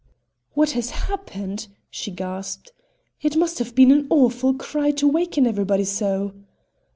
"What has happened?" she gasped. "It must have been an awful cry to waken everybody so!"